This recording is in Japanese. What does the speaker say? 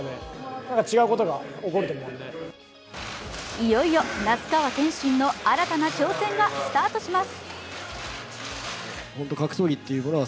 いよいよ那須川天心の新たな挑戦がスタートします。